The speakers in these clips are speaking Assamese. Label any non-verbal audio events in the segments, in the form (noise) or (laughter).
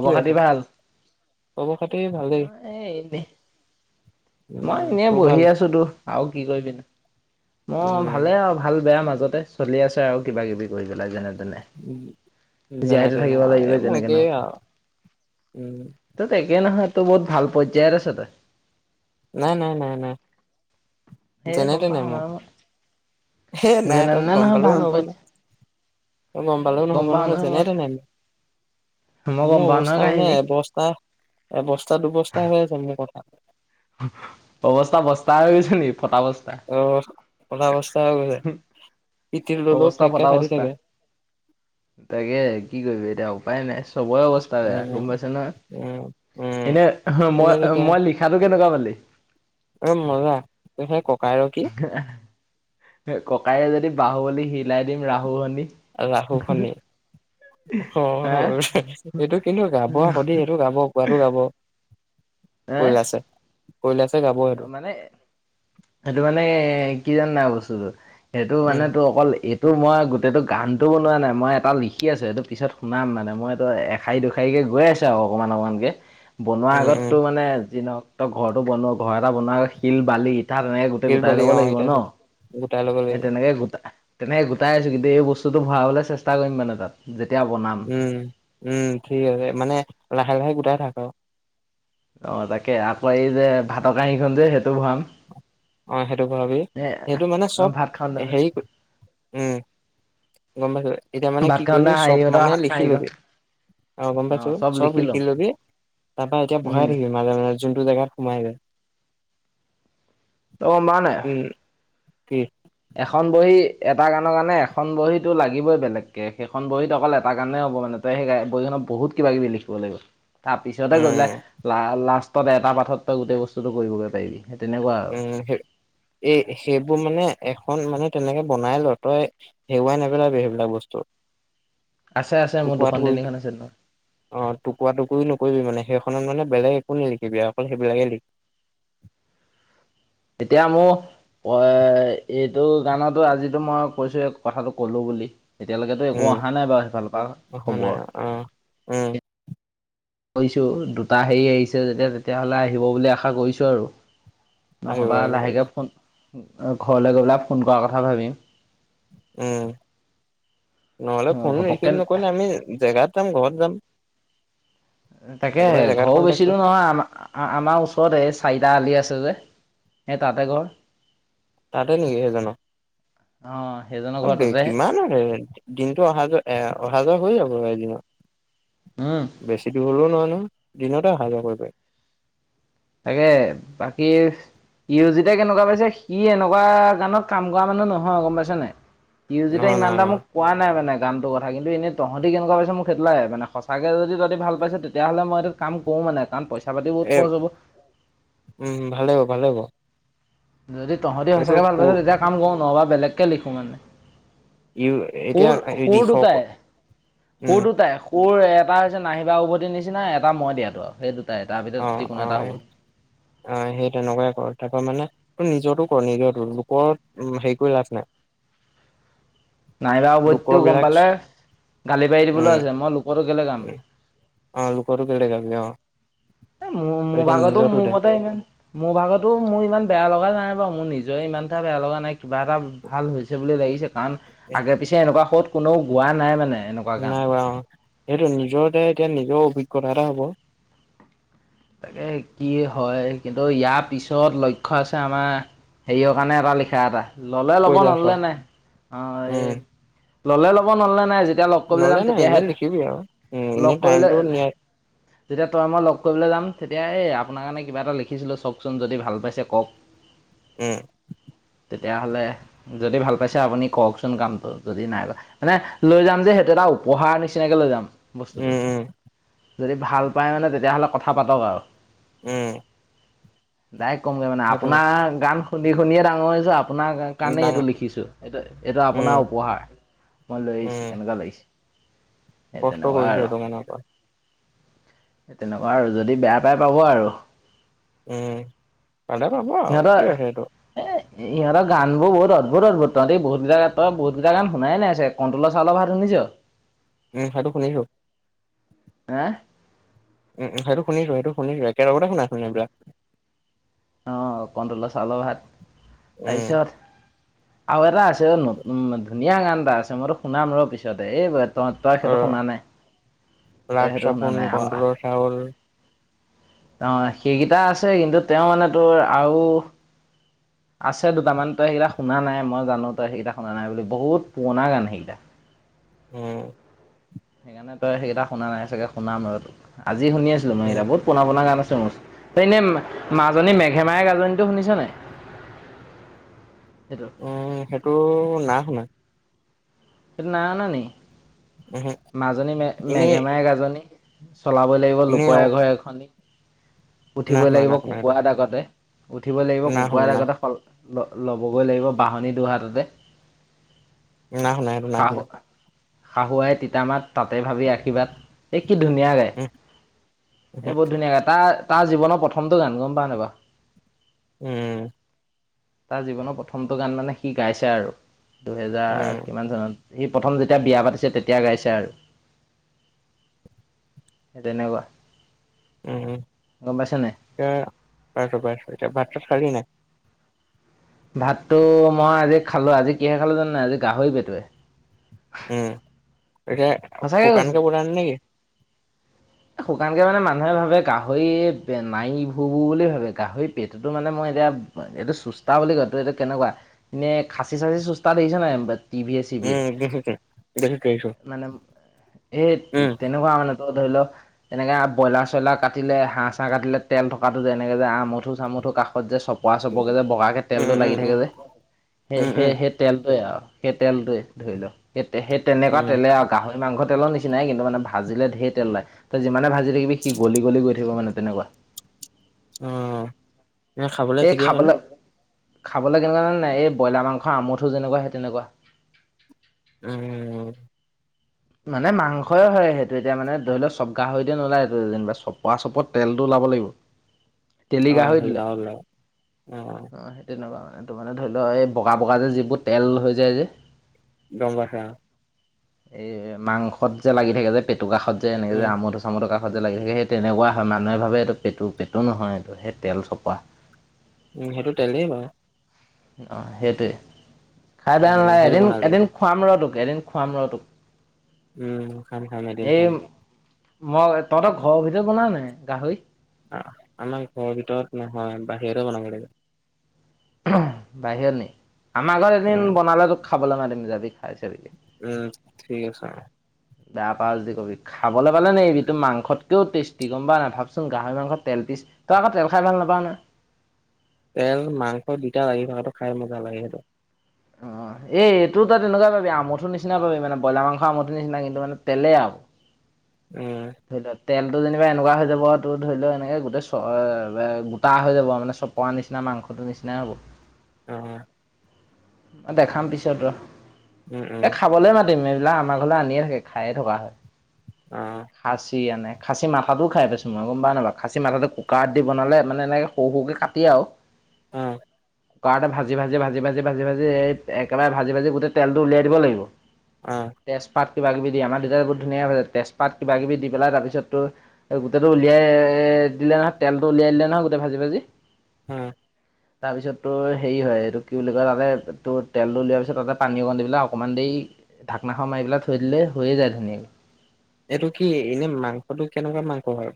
কি কৰি আছ? খাতি ভাল? খবৰ খাতি ভালেই। মই এ এনে মই উম, এনেই তোৰ বহি ভাল? আছোঁ তোৰ আৰু কি কৰিবিনো মই উম, ভালে আৰু ভাল বেয়া মাজতে চলি আছে আৰু কিবা কিবি কৰি পেলাই যেনে তেনে। উম, যেনে জীয়াইতো তেনে থাকিব লাগিবই এই মোৰ যেনেকে একেই আৰু উম। তো, তই একে নহয় তো বহুত ভাল পৰ্যায়ত আছ তই। নাই, নাই, নাই, নাই। সেই গম যেনেতেনে পাওঁ মই, নহয় হে নাই যেনে তই তেনে গম নহয় পালেও ভাল নহ'ব ন পৰ্যায় গম সেই পালেও নহব পাওঁ নহয় যেনে মই। তেনে মই গম মোৰ পাওঁ নহয় অৱস্থা মানে কাহিনী এবস্তা এবস্তা দুবস্তা হৈ আছে মোৰ কথা অৱস্তা বস্তাহেছে নেকি ফটা বস্তা অ অল অৱস্থা হৈ গৈছে পিটৰ ললেও অৱস্থা ফটা ফকা ভাটি অৱস্থা। থাকে (inaudible) তাকে কি কৰিবি এতিয়া উপায় নাই চবৰে অৱস্থা নাই উম গম পাইছে ন উম উম এনে এনে মই মই লি কেনেকুৱা পালি। অ মজা ত সেই ককাই ৰ কি। ককায়ে যদি বাহু বুলি হিলাই দিম ৰাহু শনি। ৰাহু খনি হা অ' এইটো কিন্তু গাব আকৌ সেইটো গাব। যোৱাতো যাব শুই আছে। অ' মানে সেইটো মানে কি জান নাই বস্তুটো সেইটো উম মানে তো অকল এইতটো মই গোটেইটো গানটো বনোৱা নাই মই এটা লিখি আছো এইটো পিছত শুনাম মানে মই এইটো এখাৰী দুখাৰকৈ গৈ আছে আৰু অকণমান অকণমানকৈ বনোৱাৰ উম উম আগতটো মানে যিনহওক ত ঘৰৰতটো বনোৱা ঘৰ এটা বনোৱা আ শিল বালি ইঠা তেনেকে গোটেই শিল গোটাই বালি ল'ব অ লাগিব ইটা ন চিটা গোটাই ল'ব লাগিব সেই তেনেকে গোটাই তেনেকে গোটাই আছো কিন্তু এই বস্তুটো ভৰাবলৈ চেষ্টা কৰিম মানে তাত যেতিয়া বনাম উম উম ঠিক আছে মানে লাহে লাহে গোটাই থাক আৰু অ তাকে আকৌ এই যে ভাতৰ কহীখন যে সেইটো ভৰাম অ' সেইটো ভৰাবি এ সেইটো মানে চব ভাত খাওঁতে হেৰি উম গম পাইছো এতিয়া মানে ভাত কি খাওঁতে কৰিবি চব হেৰিহঁতৰ মানে লিখি কাৰিকৰ লবি অ গম পাইছো চব লখিলোবি তাৰ পৰা এতিয়া বহাই উম থাকিবি মাজে মাজে যোনটো জেগাৰ সোমাই যায় ত' গম পাও নাই ইমানে উম কি এখন বহী এটা গানৰ গানে এখন বহীতো লাগিবই বেলেগকে সেইখন বহীত অকল এটা গানেই হ'ব মানে ত সেই বহিখনত বহুত কিবা কিবি লিখিব লাগিব তাৰ পিছতে কৰি পেলাই উম লা লাষ্টত এটা পাঠত তই গোটেই বস্তুটো কৰিবগৈ পাৰিবি সেই তেনেকুৱা আৰু উম এই সেইবোৰ মানে এখন মানে তেনেকে বনাই ল তই হেওৱাই নেপেলাবি সেইবিলাক বস্তু আছে আছে মোৰ টুকুৰা দুখন টুকুৰি তিনিখন আছে অ টকুৰা টুক নকৰিবি মানে সেইখনত মানে বেলেগ একো নিলিখিবি অকল সেইবিলাকে লি এতিয়া মোৰ অ এইটো গানতো আযি মই কৈছো কথাটো কলো বুলি এতিয়ালৈকেতো একো উম অহা নাই বাৰু সেইফালৰ পৰা অহা নাই খবৰ অ উম কৰিছো দুটা হেৰি আহিছে যেতিয়া তেতিয়া হলে আহিব বুলি আশা কৰিছো আৰু আহিব নহ'বা আহিব আহিব লাহেকৈ ফোন ঘৰলৈ গৈ পেলাই ফোন কৰাৰ কথা ভাবিম উম নহ'লে ফোন ঘপককে ৰিচিভ নকৰিলে আমি জেগাত যাম ঘৰত যাম তাকে একেবাৰে জেগাত ঘৰ কণ্টেক্ট বেচি দূৰ কৰিম নহয় আমাৰ আমাৰ ওচৰত এই চাৰিটা আলি আছে যে সেই তাতে ঘৰ তাতে নেকি সেইজনো অ সেইজনৰ ঘৰ ব তাতে কিমান আৰু দিনটো অহা যোৱা এ অহা যোৱা হৈ যাব এদিনত (inaudible) উম বেছি দূৰ হলেও নহয় নহয় দিনতে অহা যোৱা কৰিব পাৰি। তাকে বাকী ই অৰজিদাই কেনেকুৱা পাইছে সি এনেকুৱা গানত কাম কৰা মানুহ নহয় গম পাইছা নে নাই। ই অজিত দাই নহয় ইমান নহয় এটা মোক নহয় কোৱা নাই মানে গানটোৰ কথা কিন্তু এনেই তহঁতি কেনেুৱা পাইছা মোক সেইটো লাগে মানে সঁচাকৈ যদি ভাল পাইছে তেতিয়াহ'লে মই এইতো কাম কৰো মানে কাৰণ পইচা পাতি বহুত এ খৰচ হ'ব। উম ভালে হব ভালে হব। যদি তহঁতি এইটো সঁচাকে ভাল সু পাইছে তেতিয়া কাম কৰো নহবা বেলেগকে লিখো মানে। ইউ এতিয়া সুৰ সুৰ লিখক দুটাই সুৰ উম দুটাই। সুৰ এটা হৈছে নাহিবা উভতি নিচিনা এটা মই দিয়াতো আৰু সেইটো অ অ এ। অ সেই তেনেকুৱাই কৰ তাৰ পৰা মানে তোৰ নিজৰটো কৰ নিজৰটো লোক হেৰি কৰি লাভ নাই। (unintelligible) নাইবা লোকৰ উভতিটো গম বিলাক পালে, গালি পাৰি দিবলৈ উম আছে মই লোকৰটো কেলে গাম। অ লোকৰটো কেলে গাবি অ। এ মোৰ তই মোৰ এতিয়া ভাগতো নিজৰটো মোৰ দে মতে এনেই। মোৰ ভাগতো মোৰ ইমান বেয়া লগা নাই বাৰু মোৰ নিজৰে ইমান এটা বেয়া লগা নাই। কিবা এটা ভাল হৈছে বুলি লাগিছে কাৰণ আগে পিছে এনেকুৱা সুত কোনেও গোৱা নাই মানে এনেকুৱা গান নাই বাৰু অ, সেইটো নিজৰতে এতিয়া নিজৰ অভিজ্ঞতা এটা হ'ব। তাকে কি হয় কিন্তু ইয়াৰ পিছত লক্ষ্য আছে আমাৰ। হেৰিয়ৰ কাৰণে এটা লিখা এটা। ললে কৈ ল'ব লাভ আৰু নললে নাই অ উম এই ললে ল'ব নলে নাই যি তেতিয়া লগ কৰিবলে নহ'লে যাম নাই এনেই তেতিয়াহে লিখিবি আৰু উম এনেই লগ কৰিবলে টাইমটো নিয়াই তেতিয়া তই মই লগ কৰিবলে যাম। তেতিয়া এই আপোনাৰ কাৰণে কিবা এটা লিখিছিলোঁ চকচোন যদি ভাল পাইছে কওক। উম! তেতিয়াহলে যদি ভাল পাইছে আপুনি কওকচোন কামটো যদি নাই ল মানে লৈ যাম যে সেইটো এটা উপহাৰ নিচিনাকে লৈ যাম। বস্তুটো, উম উম যদি ভাল পায় মানে তেতিয়াহ'লে কথা পাতক আৰু। উম ডাৰেক্ট কমগে মানে সেইটো ন আপোনাৰ গান শুনি শুনিয়ে ডাঙৰ হৈছো আপোনাৰ কাণেই এইটো ডাঙৰ লিখিছোঁ এইটো এইটো উম আপোনাৰ উপহাৰ, মই লৈ আহিছোঁ উম কেনেকুৱা লাগিছে। সেই কষ্ট তেনেকুৱা কৰিছো আৰু, সেইটো কাৰনৰ পৰা এ তেনে যদি বেয়া পাই পাব আৰু। উম পালে পাব আৰু সিহঁতৰ কি আছে এইটো। এ ইহঁৰ গান বোৰ বহুত অদ্ভুত অদ্ভুত তহঁতি বহুত কেইটা গান তই বহুতকেইটা গান শুনাই নাই চাগে। কণ্ট্ৰল চাওলৰ ভাত শুনিছ। উম সেইটো শুনিছো। হা উম সেইটো শুনিছো সেইটো শুনিছো একে লগতে শুনাচোন এইবিলাক। অ কণ্ট্ৰলৰ চাউলৰ ভাত, উম তাৰপিছত আৰু এটা আছে নতুন ধুনীয়া গান এটা আছে মই তোক শুনাম ৰ পিছতে এই তই তই অ' সেইটো শুনা নাই, ৰাগ তই সেইটো শুনা চাবোন, নাই আৰু কণ্ট্ৰলৰ চাউল অহ সেইকেইটা আছে কিন্তু তেওঁ মানে তোৰ আৰু আছে দুটামান, তই সেইটা শুনা নাই, মই জানো তই সেই শুনা নাই বুলি বহুত পুৰণা গান সেইকেইটা। উম, সেইকাৰণে তই সেইকেইটা শুনা নাই চাগে, শুনাম ৰ আজি শুনি আছিলো মই উম, এইটা বহুত পুৰণা-পুৰণা গান আছে মোৰ, মাজনী মেগ হেমাই গাজনিটো শুনিছ নাই, সেইটো উম, সেইটো নাই শুনা। সেইটো নাই শুনা নেকি, উহু, মাজনী এনে ম-মেগে মায়ে গাজনী চলাবলৈ লাগিব, এনে লোপ ঘৰ এখনি না উঠিবই শুনা লাগিব না শুনা সেইটো কুকুাৰ দাহ, আগতে উঠিব লাগিব না শুনা কুকুাৰ না আগতে ল, ল'বগৈ লাগিব বাঁহনি দুহাটতে। নাই শুণা সেইটো। না শুনা শাহু-শাহুুৱাই, তিতামাত, তাতে ভাবি আশীৰ্বাদ। এই কি ধুনীয়া গায়, উম, এই উহু, বহুত ধুনীয়া গায়, তাৰ তাৰ জীৱনৰ প্ৰথমটো গান গম পোৱা নোই বাৰু। উম, তাৰ জীৱনৰ প্ৰথমটো গান মানে সি গাইছে আৰু উম, দুহেজাৰ কিমান সি প্ৰথম যেতিয়া বিয়া পাতিছে তেতিয়া গাইছে আৰু। সেই তেনেকুৱা, উম, গম পাইছ নে নাই? এতিয়া পাইছো, পাইছো, এতিয়া ভাত-চাত খালি নাই? ভাততো মই আজি খালো, আজি কিহে খালো জানো নাই আজি গাহৰি পেটোৱে। উম, এয়া সঁচাকে কৈছো শুকানকে বনালি নেকি? শুকানকে মানে মানুহে ভাবে, গাহৰি বেমাইভো বুলি ভাবে গাহৰি পেটটো মানে মই এতিয়া এইটো চুস্তা বুলি কয়, তই এইটো কেনেকুৱা এনেই খাচি চাচি-চুস্তা দেখিছ নাই? টি, ভ, এ, চিভিয়ে এ, উম, দেখিছো দেখিছো দেখিছো মানে এই, উম, তেনেকুৱা মানে ধৰি লক তেনেকে ব্ৰইলাৰ-চ্ৰইলাৰ কাটিলে, হাঁহ-চাঁহ কাটিলে তেল থকাটো, যেনেকে যে আমঠু-চামুঠু কাষত যে চব পৱা, চপকে যে, বগাকে উম, তেলটো লাগি উম, থাকে উম, যে। সেই, উম, সেই, উম, সেই, তেলটোৱে আৰু সেই তেলটোৱে ধৰি লও স, সেই তেনেকুৱা উম, তেলে আৰু গাহৰি মাংস তেলৰ নিচিনাই কিন্তু মানে, ভাজিলে তেলয় তই যিমানে ভাজ ৰিমিসি গলি, গলি গৈ থাকিব মানে, তেনেকুৱা অ, এনে খাবলৈ এই ঠিকেই হয়নে খাবলৈ, খাবলৈ কেনেকুৱা জানে নাই, এই ব্ৰইলাৰ মাংসৰ আমুঠো, যেনেকুৱা সেই তেনেকুৱা। (inaudible) মানে মাংসই হয়, সেইটো এতিয়া মানে ধৰি লও চব গাহৰিতে নোলায় এইটো যেনিবা চপা-চপত তেলটো ওলাব লাগিব। তেলি অ, গাহৰিত ওলাই। (inaudible) অ, তেনেকুৱা মানে, এইটো মানে ধৰি লওক, এই বগা, বগা যে যিবোৰ তেল হৈ যায় যে। গম পাইছা। এ, মাংসত যে লাগি থাকে যে, পেটুকাষত যে এনেক যে, উম, আমোদ চামতৰ কাষত যে লাগি থাকে, সেই তেনেকুৱা হয় মানুহেভাৱে এইটো পেটু, পেটু, নহয় এইটো সেই তেল চপৱা। উম, সেইটো তেলেই হয়। অ, সেইটোৱে খাই বেয়া উম, নালাগে, সেইটো এদিন, বনালি এদিন খোৱাম ৰ তোক, এদিন খোৱাম ৰ তোক। উম, খাম, খাম এদিন এই খাম। মই তহঁতৰ ঘৰৰ ভিতৰত বনাও নে নাই গাহৰি? আমাৰ ঘৰৰ ভিতৰত নহয়, বাহিৰতে বনাব লাগে। বাহিৰ নেকি, আমাৰ ঘৰত এদিন উম, বনালে তোক খাবলৈ মাতিম যাবি, খাই‌ চাবি। উম ঠিক আছে। বেয়া পাওঁ য কবি খাবলৈ পালে নে এইবি তো মাংসত। কেয়াও টেষ্টি গম নাই চোন গাহৰি মাংসত তেল পিছ তই আকৌ তেল খাই ভাল নাপাওঁ নহয়। তেল মাংস দুতটা লাগিব থোৱা সেইটো খাই মজা লাগে সেইটো। অ এইটো তাত তেনেকুৱাই পাবি আমোঠো নিচিনা পাবি মানে ব্ৰইলাৰ মাংস আমঠ নিচিনা কিন্তু মান তেলেই আৰু উম। ধৰি লোৱা তেলটো যেনিবা এনেকুৱা হৈ যাব তটো ধৰি লও এনেকে গোটেই চ গোটা হৈ যাব মানে চব পোৱা নিচিনা মাংসটো নিচিনাই হ'ব। অ, দেখাম পিছত ৰ উম, উম, এই খাবলৈ মাতিম এইবিলাক আমাৰ ঘৰলৈ আনিয়ে থাকে খায়ে থকা হয়। অ, খাচী এনে খাচী মাথাটো খাইছোঁ মই গম প নাই বাৰ খাচী মাথাটো কুকাৰত দি বনালে মানে এনেকে সৰু সৰুকৈ কাটি তেতিয়াও। উম। কৰাতে ভাজি ভাজি ভাজি ভাজি ভাজি ভাজি এই একেবাৰে ভাজি ভাজি গোটেই তেলটো উলিয়াই দিব লাগিব। অ, তেজপাত কিবা কিবি দি আমাৰ দেউতাই বহুত ধুনীয়া হৈ হৈছে তেজপাত কিবাকিবি দি পেলাই তাৰপিছতো গোটেইটো উলিয়াই দিলে নহয় তেলতো উলিয়াই দিলে নহয় গোটেই ভাজি ভাজি উম। তাৰ পিছতো হেৰি হয় এইটো কিয় লিব? কা তাতে তোৰ তেলটো দলিয়াৰ পিছত তাতে পানী অকণ দি পেলাই অকণমান দেৰি ধাকনাখনৰ মাৰিবিলাই থৈ দিলে হৈ য়ায় ধুনীয়াকে এইটো কি এনেই মাংসটো কেনেকুৱা মাংস হয়?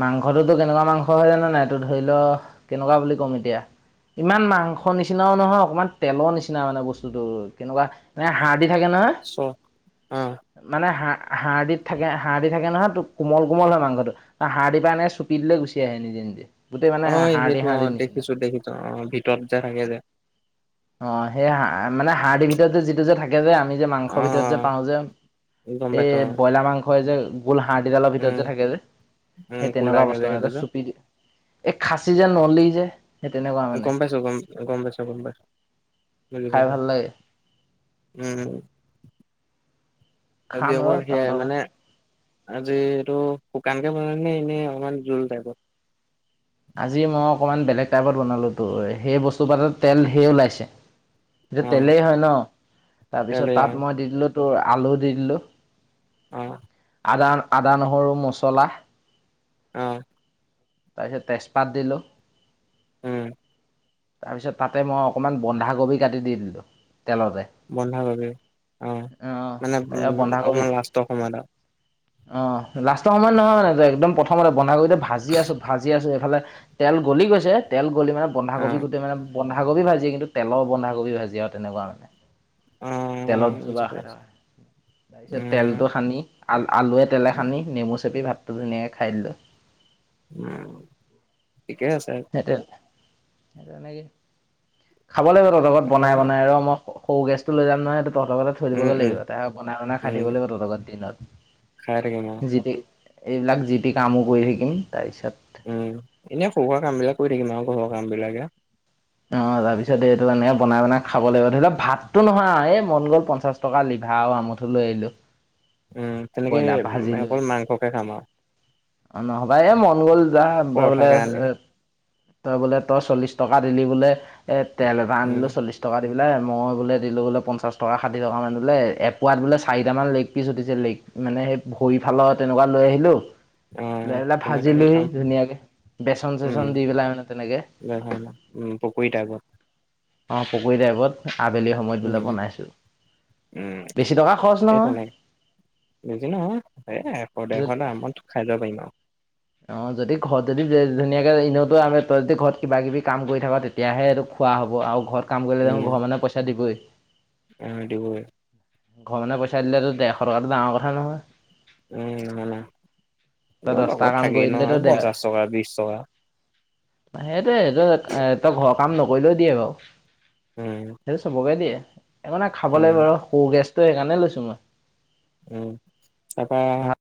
মাংসটোতো কেনেকুৱা মাংস হয় জানো নাই তো ধৰি ল কেনেকুৱা বুলি ক'ম এতিয়া ইমান মাংস নিচিনাও নহয় অকণমান তেলৰ নিচিনা মানে বস্তুটো তেনেকুৱা মানে হাড় দি থাকে নহয়। চ উম মানে হ হাড় দিত থাকে নহয় হাঁড় দি থাকে নহয় ত কোমল কোমল হয় মাংসটো। ত হাড়দিবা নে চুপি দিলে গুচি আহে নিজে নিজে। গোটেই মানে অ হাড়দি সেইটো অ হাড়দি নিচিনা দেখিছোঁ দেখিছোঁ অ ভিতৰত যে থাকে যে- অ সেই হ মানে হাড় দিৰ ভিতৰত যে যিটো যে থাকে যে আমি যে মাংসৰ ভিতৰত যে অ'। পাওঁ যে অ', গম এ পাইছো অ', ব্ৰইলাৰ মাংস হয় যে গোল হাড় দিডালত ভিতৰত উম, যে থাকে যে উম, সেই তেনেকুৱা কোলাকে যে বস্তু সেইটো মানে যে চুপি এই খাছী যে নলি যে সেই তেনেকুৱা মানে গম পাইছোঁ গম গম পাইছোঁ গম পাইছোঁ বুজি খাই পাইছোঁ। ভাল লাগে উম আৰু খাম ৰ অকল সেয়াই তহঁতৰ ঘৰত। মানে আজি এইটো শুকানকে বনাম নে এনেই অকমান জোল টাইপত আজি মই অকমান বেলেগ টাইপত বনালো তো সেই বস্তু পাতত তেল ঢেই ওলাইছে। এটো অ', তেলেই হয় ন তেল তাৰপিছত দিয়া তাত মই দি দিলো তোৰ আলু দি দিলো। অঁ- আদা আদা নহৰু মছলা। অ, তাৰপিছত তেজপাত দিলোঁ। উম- তাৰপিছত তাতে মই অকণমান বন্ধাকবি কাটি দি দিলোঁ তেলতে বন্ধা কবি অ মানে উম অ বন্ধাকবি অকমান লাষ্টৰ সময়ত- অ লাষ্টৰ সময়ত নহয়ান একদম প্ৰথমতে বনাই কৰি ভাজি আছো ভাজ- ভাজি আছো এইফালে তেল গলি গৈছে তেল গলি মানে বন্ধাকবি অ', গোটেই মানে- বন্ধাকবি ভাজি কিন্তু তেলৰ বন্ধাকবি ভাজি আৰু তেনেকুৱা মানে- তেলত অ', বুজি জোগা খে পাইছোঁ। হয়- তাৰপিছত উম, তেলতটো খানি আ আলুৱে তেলে খাদি নেমু চেপি ভাতটো ধুনীয়াকে খাই দিলো- উম ঠিকে আছে- তে স তেনেকৈ খাব লাগিব তহঁতৰ ঘৰত লগত তাৰপা বনাই বনাই আৰু মই- সৰু গেছ টো লৈ যাম নহয় সেই তহত ঘৰতে থৈ উম, দিবগৈ উম, লাগিব ত বনাই বনাই খাই উম, থাকিব লাগিব তহত ঘৰত দিনত- খাই থাকিম অ জি পি এইবিলাক জিটি কামো কৰি থাকিম তাৰপিছত- উম এনেই সৰুসোৱা কাম বিলাক কৰি থাকিম আৰু ঘৰুৱা কাম বিলাকে- অ তাৰ পিছত এইটো মানে বনাই বনাই খাব লাগিব ধৰি লোৱাক ভাতো নহয় এ এই মন গ'ল পঞ্চাশ- ফটকা লিভা আৰু আমঠো লৈ আহিলোঁ- তেনেকৈ লৈ সেইকল মাংসকে খাম আৰু- নহবা এ মন গ'ল যা বোলে পৰঠাকে আনিম এ- তই বোলে তই চল্লিশ টকা দিলি বোলে এ তেল এটা উম, আনিলো চল্লিশ ট- টকা দি পেল মই বোলে দিলো বোলে পঞ্চা টকা ষাঠি কা মান বোলে এপোৱাত বোলে চাৰিটামান লেগ পিছ উঠিছে লেগ- মানে সেই ভৰি ফালৰ তেনেকুৱা লৈ আহিলো- ল অ', পেলাই তেনেকুৱাকে ভাজিলোহি খাম ধুনীয়াকে বেচন চেচন দি পেলাই মানে তেনেকে- হয় নহ উম পকুৰীতাইপৰ আগত- অঁ পকুৰী টাইপত- আবেলি উম, সময়তবিলাক বনাইছো উম, বেছি টকা খৰচ এই নহয়- তেনেকে বেছি নহয় এ এশ যত ডেৰশটা আমত খাই যাব পাৰিম আৰু- অ যদি ঘৰত যদি ধুনীয়াকে এনেতো আমি তই যদি ঘৰত কিবা কিবি কাম কৰি থাক তেতিয়া- তেতিয়াহে এইটো খোৱা হ'ব আৰু ঘৰত কাম কৰিলে ত ঘৰ মানে পইচা দিবই- উম দিব ঘৰৰ মানুহে পইচা দিলেতো ডেৰশ টকাটো ডাঙৰ কথা নহয় উ মানে তই দহটা লগত কাম থাকেই কৰি দিলেতো নহয় পঞ্চাশ টকা বিশ টকা সেইটোয়েই এ তই ঘৰৰ কাম নকৰিলেও দিয়ে বাৰু উম সেইটো চবকে দিয়ে এই মানে খাব উম লাগিব আৰু সৰু গেছটো সেইকাৰণে লৈছো মই উম তাপা